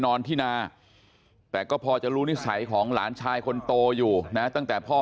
นอนที่นาแต่ก็พอจะรู้นิสัยของหลานชายคนโตอยู่นะตั้งแต่พ่อ